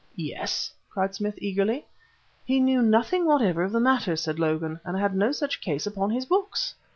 "Yes?" cried Smith eagerly. "He knew nothing whatever of the matter," said Logan, "and had no such case upon his books!